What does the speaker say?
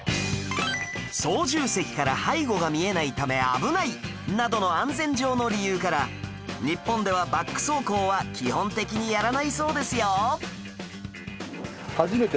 操縦席から背後が見えないため危ないなどの安全上の理由から日本ではバック走行は基本的にやらないそうですよ